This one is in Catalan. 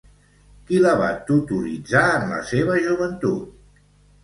Qui la va tutoritzar en la seva joventut?